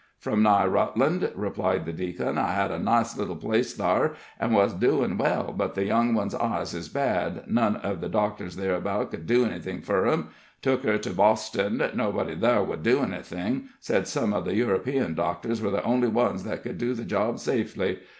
"From nigh Rutland," replied the deacon, "I hed a nice little place thar, an' wuz doin' well. But the young one's eyes is bad. None uv the doctors thereabouts could do anythin' fur 'em. Took her to Boston; nobody thar could do anythin' said some of the European doctors were the only ones that could do the job safely.